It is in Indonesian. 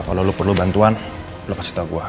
kalau lo perlu bantuan lo kasih tahu gue